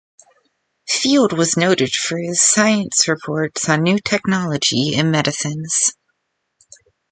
Field was noted for his science reports on new technology and medicines.